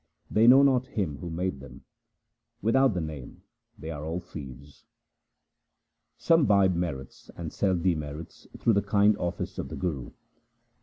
They know not Him who made them ; without the Name they are all thieves. Some buy merits and sell demerits through the kind office of the Guru.